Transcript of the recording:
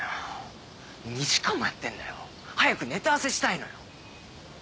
２時間もやってんだよ早くネタ合わせしたいのよ。